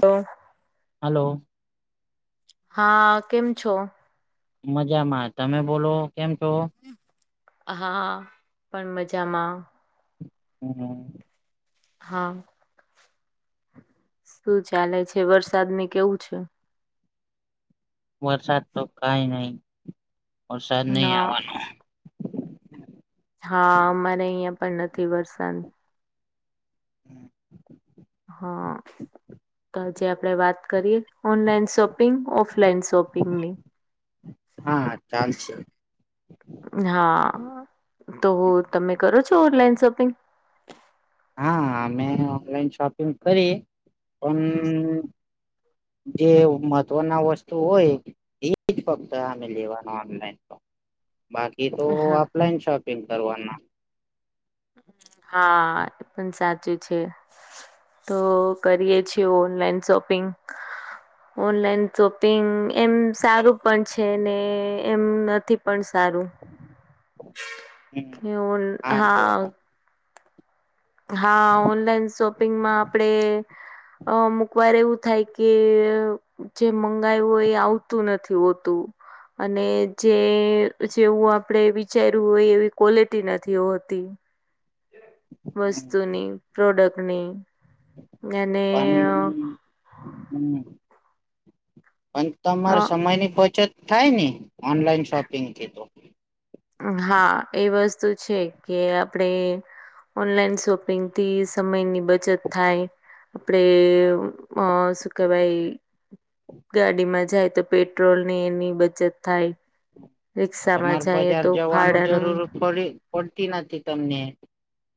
તો હાલો. હા, કેમ છો? મજામાં તમે બોલો કેમ છો? હા પણ મજામાં હમ્મ હમ્મ હા. શું ચાલે છે, વરસાદ ને કેવું છે? વરસાદ તો કાઈ નહી વરસાદ નહી ના આવાનો હા અમારે અહિયાં પણ નથી વરસાદ હમ્મ હ અ તો આજે આપણે વાત કરીએ, ઓનલાઈન શોપિંગ ઓફલાઈન શોપિંગ ની હા ચાલ સે હા તો તમે કરો છો, ઓનલાઈન શોપિંગ. હા મેં ઓનલાઈન શોપિંગ કરી પણ અ જે મહત્વના વસ્તુ હોય. એ જ ફક્ત આમેં લેવા ના ઓનલાઈન તો બાકી તો હા ઓફલાઈન શોપિંગ કરવાના હા એ પણ સાચું છે. તો કરીએ છીએ ઓનલાઈન શોપિંગ [inaudible] ઓનલાઈન શોપિંગ એમ સારું પણ છે ને એમ નથી પણ સારુ હમ કેવલ હા હા ઓનલાઈન શોપિંગમાં આપડે અમુકવાર એવું થાય કે કે જે મંગાયું હોય એ આવતું નથી હોતુ. અને જે જેવું આપણે વિચાર્યું હોય એવી ક્વોલિટી નથી હોતી. હમ, વસ્તુની પ્રોડકની હમ્મ પણ તમાર અ સમય ની બચત થાય ને ઓનલાઈન શોપિંગ થી તો હા એ વસ્તુ છે, કે આપડે ઓનલાઈન શોપિંગ થી સમયની બચત થાય. આપડે અ શું કેવાય [inaudible] ગાડીમાં જાય તો પેટ્રોલ ની એની બચત થાય. રિક્ષામાં જઈએ તો ભાડાનું પડે પડતી નથી તમને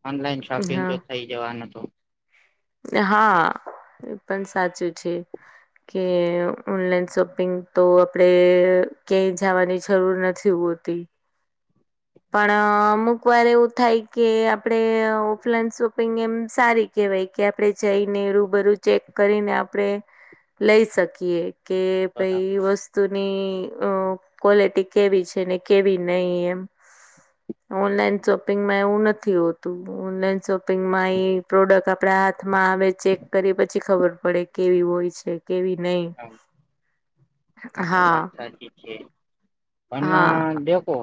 ઓનલાઈન શોપિંગ હા જો થઈ જવાનું તો હા એ પણ સાચું છે. કે ઓનલાઈન શોપિંગ તો આપણેે ક્યાંય જવાની જરૂર નથી. થી હોતી. પણ અમુક વાર એવું થાય કે આપડે ઓફલાઈન શોપિંગ એમ સારી કેવાય કે આપડણે જઈને, રૂબરું ચેક કરીને આપણેે લઈ શકીએ કે બરાબર ભાઈ વસ્ત વસ્તુની અ ક્વોલિટી કેવી છે ને કેવી નહી એમ ઓનલાઈન શોપિંગમાં એવું નથી હોતું ઓનલાઈન શોપિંગમાં એ પ્રોડક્ટ આ આપડા હાથમાં આવે ચેક કરી પછી, ખબર પડે કેવી હોય છે. કેવી નહી આ તો હા. વાત સાચી છે હા ફોનમાં દેખો.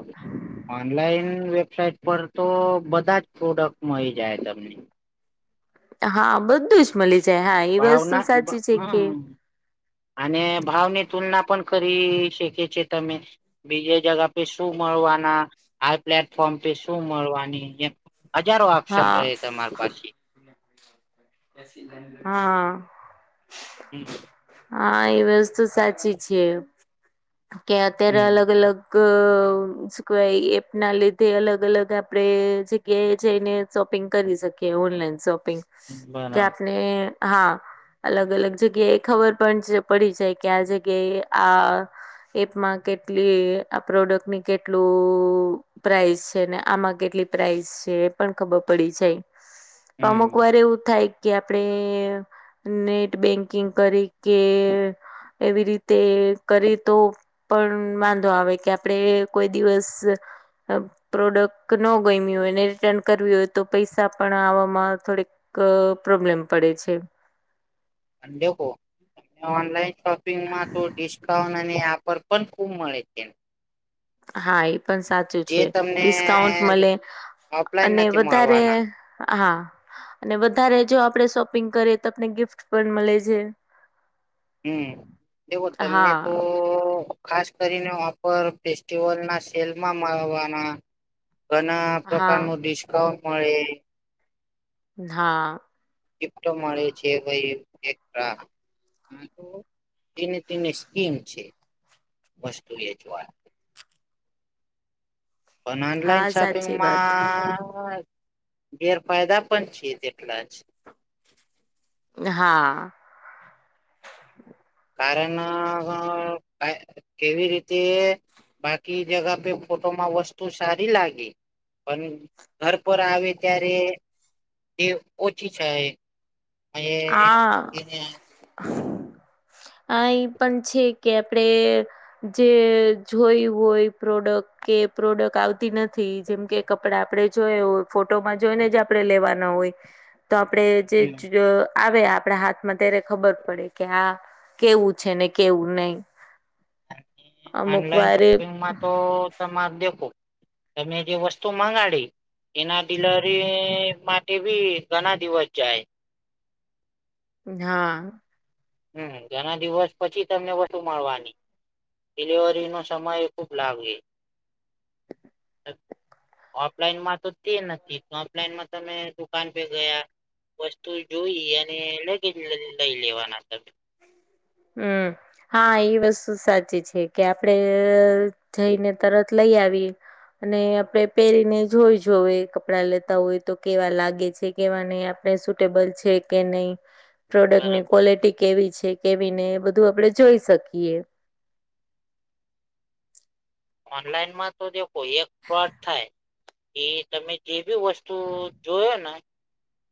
ઓનલાઈન વેબસાઇટ પર તો બધા જ પ્રોડક્ટ મળી જાય તમને. હા બધું જ મળી જાય હા એ વસ્તુ ભાવના સાચી છે, કે હમ અને ભાવની તુલના પણ ખરી શખે છે, તમે બીજે જગા પે શું મળવાના આ પ્લેટફોર્મ પે શું મળવાની એમ હજારો ઓપ્શન હા રહે તમારી પાસેથી હા. હમ્મ હ. હા એ વસ્તુ સાચી છે કે અત્યારે હમ અલગ અલગ ક સ્ક્વે કહેવાય એપ ના લીધે અલગ અલગ આપણેે જગ્યાએ જઈને શોપિંગ કરી શકીએ ઓનલાઈન શોપિંગ કે બરાબર આપને હા. અલગ અલગ જગ્યાએ એ ખબર પણ પડી જાય કે આ જગ્યાએ આ એપમાં કેટલી આ પ્રોડક્ટની કેટલું અ પ્રાઇસ છે ને આમાં કેટલી પ્રાઇસ છે એ પણ ખબર પડી જાય. અમુક હમ વાર એવું થાય. કે આપડે નેટ બેંકિંગ કરી કે એવી રીતે કરી તો પણ વાંધો આવે કે આપડે કોઈ દિવસ પ્રોડક્ટ ન ગમ્યું હોય ને રિટર્ન કરવી હોય તો પૈસા પણ આવામાં થોડીક ક પ્રોબ્લેમ પડે છે. દેખો ઓનલાઈન શોપિંગમાં તો ડિસ્કાઉન્ટ અને આપણે પણ ખૂબ મળે છે. હા એ પણ સાચું છે જે તમને ડિસ્કાઉન્ટ મળે ઓફલાઈન અને નથી વધારે મળવાના હા. અને વધારે જો આપણે શોપિંગ કરીએ તો આપને ગિફ્ટ પણ મળે છે. હમ દવ તમને હા તો ખાસ કરીને ઓપર ફેસ્ટિવલ ના સેલમાં મળવાના. ઘણા હા પ્રકાર નુ ડિસ્કાઉન્ટ મળે. હા. ગિફ્ટ મળે છે ભાઈ એક વાર હ તો તેને તેને સ્કીમ છે વસ્તુ વેચવા પણ હા ઓનલાઈન સાચી વાત શોપિંગમાં ગેરફાયદા પણ છે તેટલા જ હા. કારણ કેવી રીતે બાકી જગ પે ફોટોમાં વસ્તુ સારી લાગી પણ ઘર પર આવે ત્યારે એ ઓછી છે એ આ એ પણ છે. કે આપણેે જે જોયું હોય પ્રોડક્ટ કે પ્રોડક્ટ આવતી નથી જેમ કે કપડા આપડે જોયો. ફોટોમાં જોઈને જ આપડણે લેવાના હોય તો આપણે જે આવે આપડા હાથમાં ત્યારે ખબર પડે કે આ કેવું છે ને કેવું નહી. અમુકવારે. તમા દેખો તમે જે વસ્તુ મગાડી. એના ડીલવરી માટે ભી ઘણા દિવસ જાય. હા. હમ ઘણા દિવસ પછી તમને વછુ મળવાની. ડિલિવરી નો સમય ખુબ લાગે. ઓફલાઈનમાં તો તે નથી ઓફલાઈનમાં તમે દુકાન પે ગયા. વસ્તુ જોઈ અને લગે લઈ લેવાના તમે. હમ્મ હા એ વસ્તુ સાચી છે કે આપડે જઈને તરત લઈ આવી. અને આપડે પહેરીને જોઈ જો કપડા લેતા હોય તો કેવા લાગે છે. કેવા નહી આપણે સુટેબલ છે કે નહી. [inaudible] પ્રોડક્ટ ની ક્વલિટી કેવી છે? કેવી નહી એ બધું આપડણે જોઈ શકીએ. ઓનલાઈનમાં તો દેખો એક ફોડ થાય. એ તમે જે બી વસ્તુ જોયો ને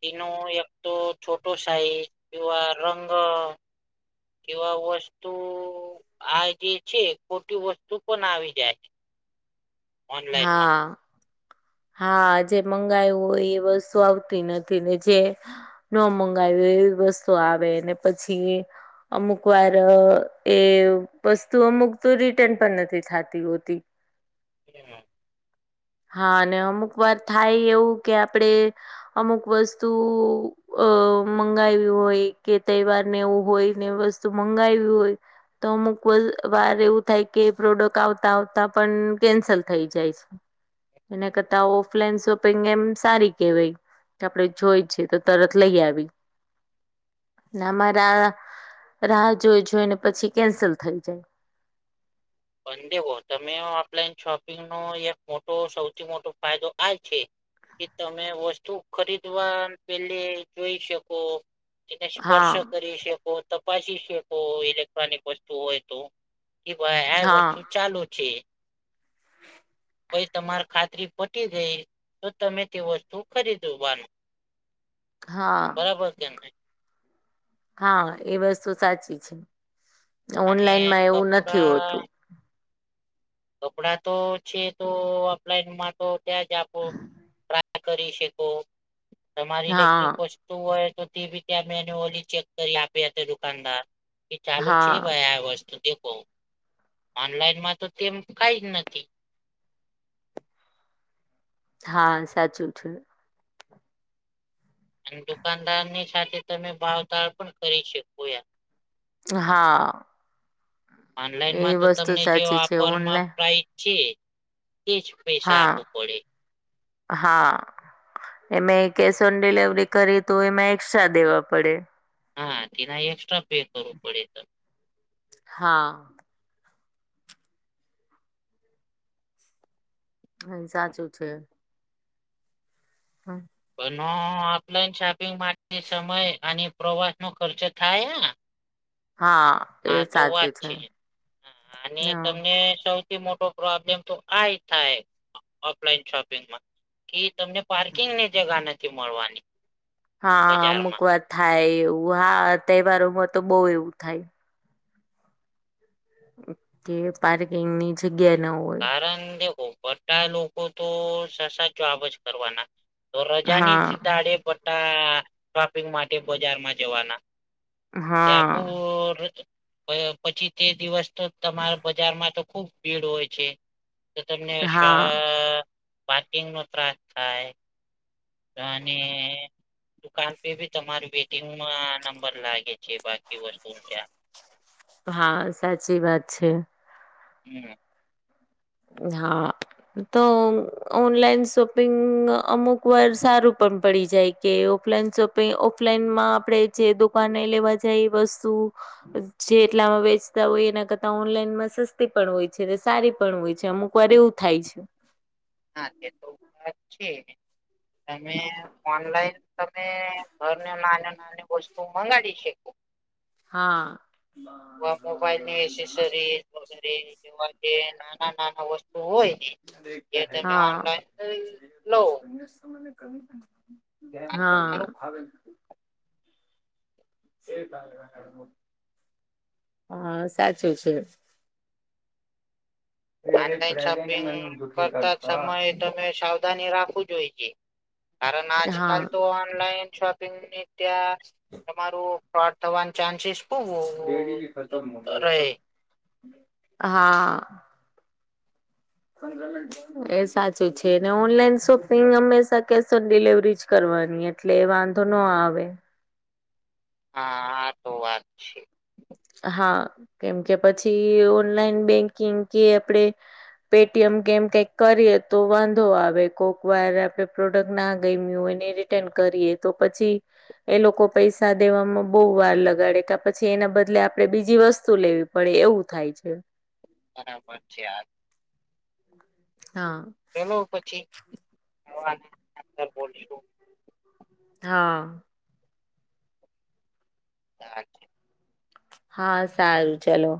તનો એક તો છોટો સાઈઝ કવા રંગ કેવા વસ્તુ. આ જે છે ખોટી વસ્તુ પણ આવી જાય છે. ઓનલાઈનમાં હા. હા જે મંગાયું હોય એ વસ્તુ આવતી નથી ને જે ન મંગાવ એવી વસ્તુ આવે ને પછી. અમુક વાર એ વસ્તુ અમુક તો રિટર્ન પણ નથી થતી હોતી. કેમ એમ. હા અને અમુક વાર થાય એવું કે આપડે અમુક વસ્તુ અ મંગાવી હોય કે તહેવારને એવું હોય ને વસ મંગાવું હોય. તો અમુક વાર એવું થાય કે પ્રોડક્ટ આવતા આવતા પણ કેન્સલ થઈ જાય છે. એને કરતા ઓફલાઈન શોપિંગ એમ સારી કેવાય. આપડે જોઈ છેએ તો તરત લઈ આવી. આમાં રા રાહ જોઈ જોઈ ને પછી કેન્સલ થઈ જાય. પણ દેવો તમે ઓનલાઈન શોપિંગ નો એક મોટો સૌથી મોટો ફાયદો આ છે કે તમે વસ્તુ ખરીદવા પેલે જોઈ શકો. એને સ્પર્શ હા કરી શકો ત પાછી છે તો ઇલેક્ટ્રોનિક વસ્તુ હોય તો કે ભાઈ આ વસ્તુ હા ચાલુ છે. ભઈ તમાર ખાતરી પટી ગઈ તો તમે તે વસ્તુ ખરીદવાનું. [inaudible] હા. બરાબર કેમ. હા એ વસ્તુ સાચી છે અને ઓનલાઈનમાં એવું નથી કપડા હોતું. કપડા તો છે તો ઓફલાઈનમાં તો ત્યાં જ આપો રા કરી શકો તમારી ઇલેક્ટ્રિક હા વસ હોય તો તે બી ત્યાં મેન્યુઅલી ચેક કરી આપી હતા દુકાનદાર. કે ચાલુ છે હા ભાઈ આ વસ્તુ દેખો. ઓનલાઈનમાં તો તેમ કાઈ જ નથી. હા સાચું છે. અને દુકાનદારની સાથે તમે ભાવતાળ પણ કરી શકો એમ. હા એ ઓનલાઈનમાં તો વસ્તુ તમને જે સાચી છે ઓફરમાં ઓનલાઈન પ્રાઇસ છે એ જ પૈસા હા આપું પડે. હા એમે કેશ ઓન ડિલેવરી કરી તો એમાં એક્સ્ટ્રા દેવા પડે. હા તેના એક્સ્ટ્રા પે કરવું પડે તમ હા હહ સાચું છે. હહ પનો ઓફલાઈન શોપિંગ માટે સમય અને પ્રવાસનો ખર્ચો થાય હહ. હા એ હા તો વાત સાચું છે હા અને હા તમને સૌ થી મોટો પ્રોબ્લેમ તો આએ થાય હે ઓફલાઈન શોપિંગમાં. કે તમને પાર્કિંગની જગા નથી મળવાની. હા બજારમાં. અમુક વાર થાય એવું હા તહેવારોમાં તો બહુ એવું થાય. ટેવ પાણી એમની જગ્યા ન હોય. કારન કે [inaudible] લોકો તો સસા જવાબ જ કરવાના. તો રજાની જ હા દાડે બટ્ટા શોપિંગ માટે બજારમાં જવાના. તે હા આખુંર જ પ પછી તે દિવસ. તો તમારા બજારમાં તો ખૂબ ભીડ હોય છે તો તમને સ. હા પાર્કિંગનો ત્રાસ થાય. તો અને. દુકાન પે બી તમાર વેટિંગમાં નંબર લાગે છે બાકી વસ્તુને ત્યાં. હા સાચી વાત છે. હમ. હા. તો ઓનલાઈન શોપિંગ અમુક વાર સારું પણ પડી જાય. કે ઓફલાઈન શોપિંગ ઓફલાઈનમાં આપણે જે દુકાને લેવા જાય એ વસ્તુ. જે એટલામાં વેચતા હોય એના કરતા ઓનલાઈનમાં સસ્તી પણ હોય છે ને સારી. પણ હોય છે. અમુક વાર એવું થાય છે. હા તે તો વાત છે. તમે ઓનલાઈન. તમે ઘરને નાની નાની વસ્તુ મંગાડી શેકો. હા. વ મોબાઈલની એસેસરીઝ વગેરે જેવા જે નાના નાના વસ્તુ હોય ને. એ તમે ઓનલાઈન લો. [inaudible] આ તો હા મારું [inaudible] [inaudible] હા સાચું છે. ઈ અરે ઓનલાઈન પ્રેગેનું શોપિંગ મેનૂ દુઃખી કરતા. સમયે તમે સાવધાની રાખું જોઈએ. કારન હા આજકાલ તો ઓનલાઈન શો પિંગની ત્યાં તમારું ફ્રોડ થવાન ચાન્સીસ ખુબ બિડી ભી ખતમ હો ગયો તો રહે હા. [inaudible] એ સાચું છે. અને ઓનલાઈન શોપિંગ હંમેશા કેશ ઓન ડિલવરી જ કરવાની એ. એટલે એ વાંધો નો આવે. હા આ તો વાત છે. હા કેમ કે પછી ઓનલાઈન બેંકિંગ કે આપડે પે ટી એમ કેમ કઈક કરીએ તો વાંધો આવે કોક વાર આપડે પ્રોડક્ટ ના ગમ્યું હોય રિટર્ન કરીએ તો પછી એ લોકો પૈસા દેવામાં બહુ વાર લગાડે કે પછી એના બદલે આ આપડે બીજી વસ્તુ લેવી પડે એવું થાય છે. હા પછી [unintelligible] હા. પેલો પછી [inaudible] બોલશું. હા. [inaudible] હા સારું ચલો.